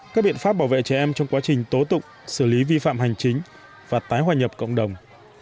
các biện pháp bảo vệ trẻ em trong quá trình tố tụng xử lý vi phạm hành chính và tái hòa nhập cộng đồng